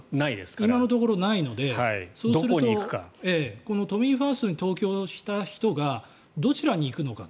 今のところないのでそうするとこの都民ファーストの会に投票した人がどちらに行くのかと。